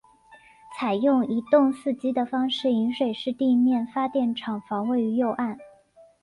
采用一洞四机的方式引水式地面发电厂房位于右岸。